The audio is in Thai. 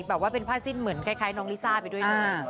แบบว่าเป็นผ้าสิ้นเหมือนคล้ายน้องลิซ่าไปด้วยนะ